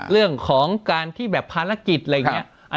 เรื่องของการที่แบบภารกิจอะไรอย่างนี้